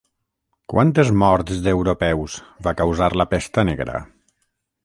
Quantes morts d'europeus va causar la pesta negra?